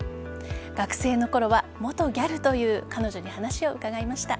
学生のころは元ギャルという彼女に話を聞きました。